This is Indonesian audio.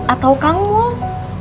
atau kang mul